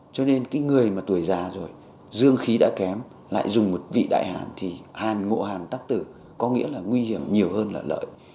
cho nên cái người mà tuổi già rồi dương khí đã kém lại dùng một vị đại hàn thì hàn ngộ hàn tắc từ có nghĩa là nguy hiểm nhiều hơn là lợi